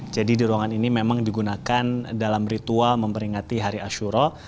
jadi di ruangan ini memang digunakan dalam ritual memperingati hari ashura